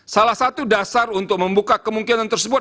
salah satu dasar untuk membuka kemungkinan tersebut